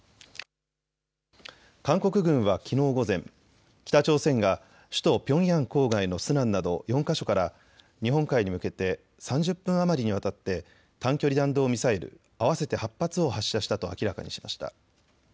韓国軍はきのう午前、北朝鮮が首都ピョンヤン郊外のスナンなど４か所から日本海に向けて３０分余りにわたって短距離弾道ミサイル合わせて８発を発射したと明らかにしました。